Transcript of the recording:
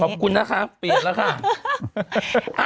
ขอบคุณนะคะเปลี่ยนแล้วค่ะ